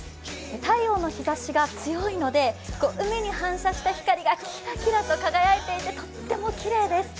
太陽の日ざしが強いので、海に反射した光がキラキラと輝いていてとってもきれいです。